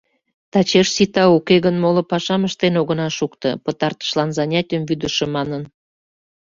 — Тачеш сита, уке гын моло пашам ыштен огына шукто, — пытартышлан занятийым вӱдышӧ манын.